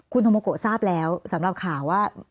คุณโมโกทราบแล้วสำหรับข่าวว่า